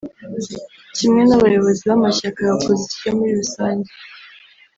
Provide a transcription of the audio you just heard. kimwe n’abayobozi b’amashyaka ya opozisiyo muri rusange